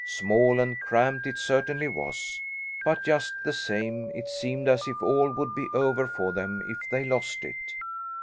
Small and cramped it certainly was, but just the same it seemed as if all would be over for them if they lost it.